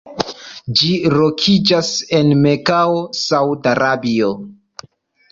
Ĝi lokiĝas en Mekao, Sauda Arabio.